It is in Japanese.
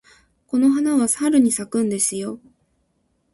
この花は春に咲くんですよ。